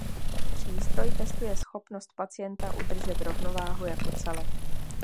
Přístroj testuje schopnost pacienta udržet rovnováhu jako celek.